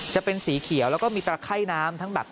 จะเป็นสีเขียวแล้วก็มีตระไข้น้ำทั้งแบบ